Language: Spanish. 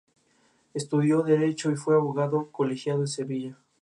Estos álbumes permiten imaginar el ambiente refinado de este bar.